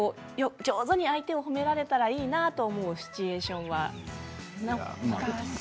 上手に相手を褒められたらいいなと思うシチュエーションは。